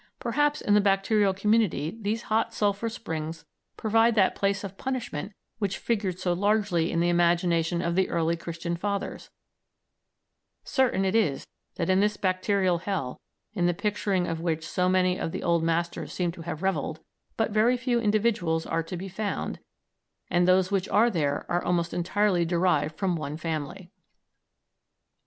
Perhaps in the bacterial community these hot sulphur springs provide that place of punishment which figured so largely in the imagination of the early Christian fathers; certain it is that in this bacterial hell, in the picturing of which so many of the old masters seem to have revelled, but very few individuals are to be found, and those which are there are almost entirely derived from one family.